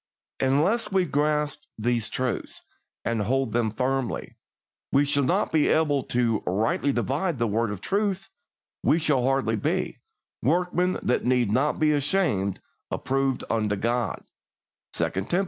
Unless we grasp these truths, and hold them firmly, we shall not be able to "rightly divide the word of truth," we shall hardly be "workmen that need not be ashamed, approved unto God" (2 Tim.